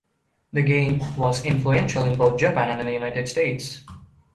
The game was influential in both Japan and the United States.